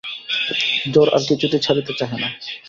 জ্বর আর কিছুতেই ছাড়িতে চাহে না।